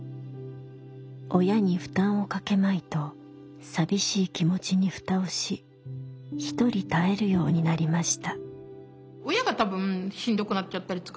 親に負担をかけまいと寂しい気持ちにふたをしひとり耐えるようになりました。